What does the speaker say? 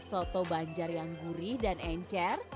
soto banjar yang gurih dan encer